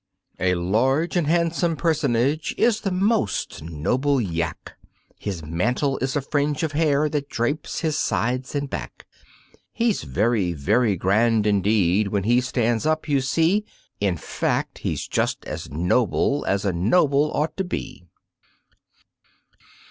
A large and handsome personage is the Most Noble Yak, His mantle is a fringe of hair that drapes his sides and back; He's very, very grand, indeed, when he stands up, you see In fact, he's just as noble as a noble ought to be.